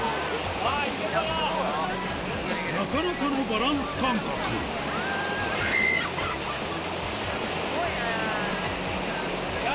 なかなかのバランス感覚キャ！